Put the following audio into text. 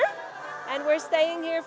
và chúng tôi ở đây bốn năm